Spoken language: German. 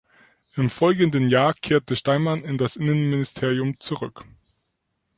Im folgenden Jahr kehrte Steinmann in das Innenministerium zurück.